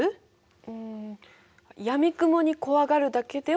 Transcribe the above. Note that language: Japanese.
うんやみくもに怖がるだけでは駄目。